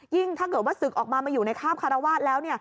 ถ้าเกิดว่าศึกออกมามาอยู่ในข้ามคารวาสแล้ว